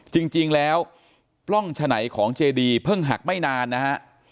จริงแล้วปล้องฉะไหนของเจดีเพิ่งหักไม่นานนะฮะ